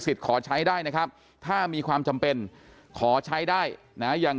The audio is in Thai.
ขอใช้ได้นะครับถ้ามีความจำเป็นขอใช้ได้นะยัง